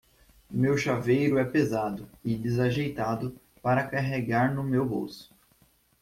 Meu chaveiro é pesado e desajeitado para carregar no meu bolso.